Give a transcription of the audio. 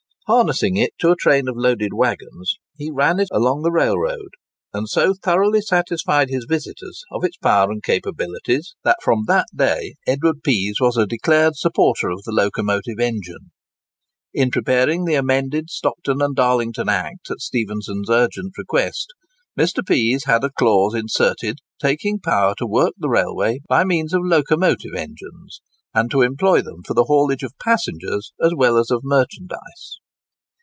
Harnessing it to a train of loaded waggons, he ran it along the railroad, and so thoroughly satisfied his visitors of its power and capabilities, that from that day Edward Pease was a declared supporter of the locomotive engine. In preparing the Amended Stockton and Darlington Act, at Stephenson's urgent request Mr. Pease had a clause inserted, taking power to work the railway by means of locomotive engines, and to employ them for the haulage of passengers as well as of merchandise.